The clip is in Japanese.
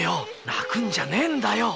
泣くんじゃねえんだよ！